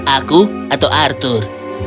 aku atau arthur